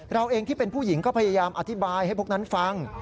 เราเองที่เป็นผู้หญิงก็พยายามอธิบายให้พวกนั้นฟัง